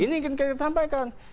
ini ingin kita sampaikan